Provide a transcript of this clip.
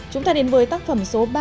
chúng ta đến với tác phẩm số ba